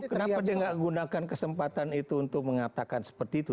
kenapa dia nggak gunakan kesempatan itu untuk mengatakan seperti itu